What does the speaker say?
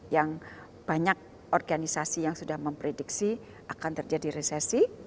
yang banyak organisasi yang sudah memprediksi akan terjadi resesi